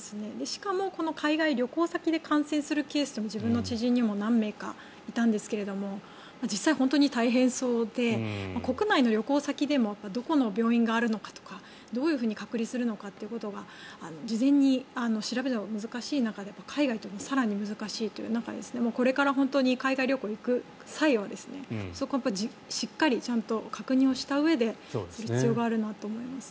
しかも、海外旅行先で感染するケース自分の知人にも何名かいたんですけど実際、本当に大変そうで国内の旅行先でもどこの病院があるのかとかどういうふうに隔離するかということが事前に調べるのが難しい中で海外というのは更に難しいという中でこれから本当に海外旅行に行く際はそこをしっかりちゃんと確認をしたうえでする必要があるなと思います。